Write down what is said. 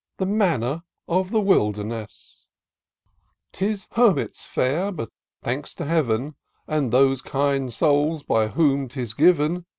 The Manna of the Wilderness : 'Tis hermit's fare ; but thanks to Heaven, And those kind souls by whom 'tis given."